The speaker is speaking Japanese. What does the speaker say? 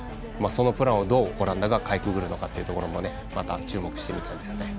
そのプランをどうオランダがかいくぐるのかというところもまた注目してみたいですね。